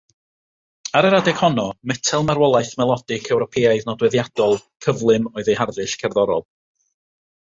Ar yr adeg honno, metel marwolaeth melodig Ewropeaidd nodweddiadol, cyflym oedd eu harddull cerddorol.